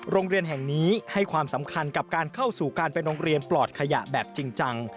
โรงเรียนแห่งนี้ให้ความสำคัญกับการเข้าสู่การเป็นโรงเรียนปลอดขยะแบบจริงจัง